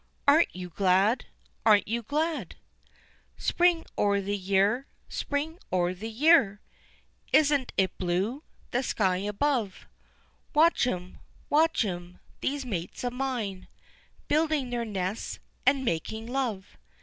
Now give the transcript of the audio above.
Aren't you glad? Aren't you glad? "Spring o' the year! Spring o' the year!" Isn't it blue the sky above? Watch 'em, watch 'em, these mates of mine, Building their nests, and making love.